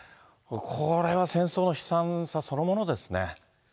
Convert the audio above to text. これは戦争の悲惨さそのものですね。